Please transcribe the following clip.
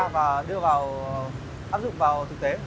và đưa vào áp dụng vũ khí nguy hiểm